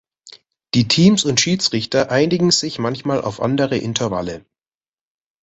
Die Teams und Schiedsrichter einigen sich manchmal auf andere Intervalle.